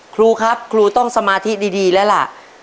ครูครับครูต้องสมาธิดีแล้วล่ะ